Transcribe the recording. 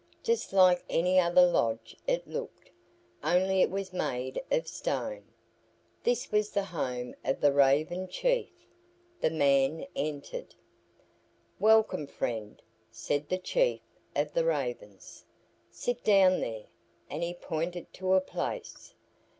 Just like any other lodge it looked, only it was made of stone. This was the home of the Raven chief. The man entered. "Welcome, friend," said the chief of the Ravens; "sit down there," and he pointed to a place.